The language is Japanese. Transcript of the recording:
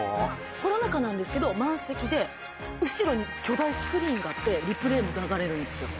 この中なんですけど満席で後ろに巨大スクリーンがあってリプレーも流れるんですよ